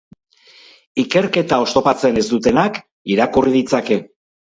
Ikerketa oztopatzen ez dutenak irakurri ditzake.